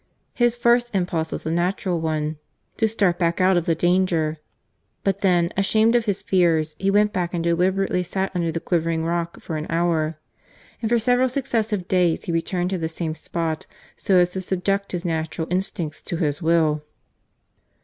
His first impulse was the natural one — to start back out of the danger. But then, ashamed of his fears, he went back and deliberately sat under the quivering rock for an hour. And for several successive days he returned to the same spot, so as to subject his natural instincts to his will.